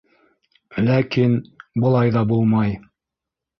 Ләкин... былай ҙа булмай.